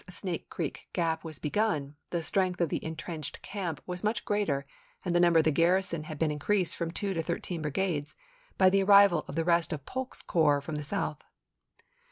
Snake Creek Gap was begun, the strength of the in trenched camp was much greater and the number of the garrison had been increased from two to thirteen brigades by the arrival of the rest of Polk's corps from the South.